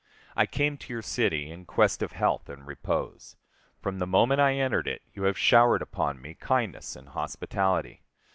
I came to your city in quest of health and repose. From the moment I entered it you have showered upon me kindness and hospitality.